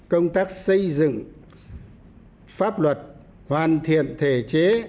công tác xây dựng pháp luật hoàn thiện thể chế